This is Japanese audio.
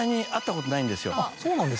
そうなんですか。